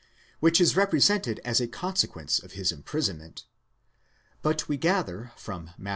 which is represented as a consequence of his imprisonment ; but we gather from Matt.